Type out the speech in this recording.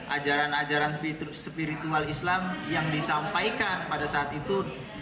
ajaran ajaran spiritual islam yang disampaikan pada saat itu